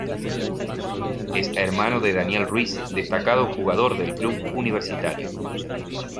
Es hermano de Daniel Ruiz destacado jugador del club Universitario.